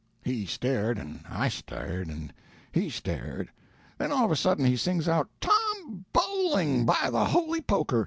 He stared, and I stared, and he stared. Then all of a sudden he sings out, 'Tom Bowling, by the holy poker!